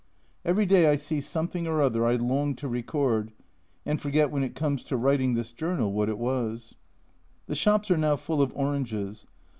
Every day I see something or other I long to record, and forget when it comes to writing this journal what it was. The shops are now full of oranges.